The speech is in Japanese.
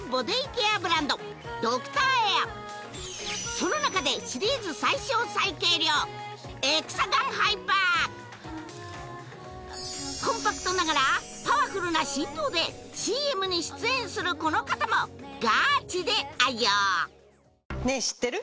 そのなかでシリーズ最小・最軽量エクサガンハイパーコンパクトながらパワフルな振動でＣＭに出演するこの方もガチで愛用ねえ知ってる？